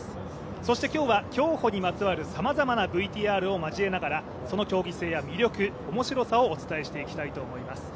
そして今日は、競歩にまつわるさまざまなＶＴＲを交えながら、その競技性や魅力面白さをお伝えしていきたいと思います。